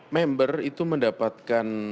member itu mendapatkan